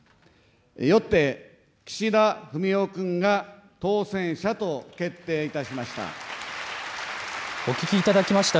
よって、岸田文雄君が当選者と決定いたしました。